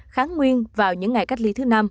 kháng nguyên vào những ngày cách ly thứ năm